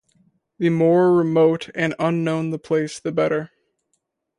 The more remote and unknown the place the better.